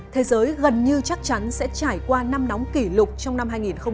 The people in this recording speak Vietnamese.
thế giới gần như chắc chắn sẽ trải qua năm nóng kỷ lục trong năm hai nghìn hai mươi